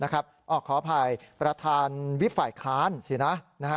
ขออภัยประธานวิบฝ่ายค้านสินะ